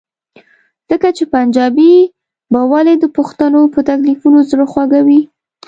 ځکه چې پنجابی به ولې د پښتنو په تکلیفونو زړه خوږوي؟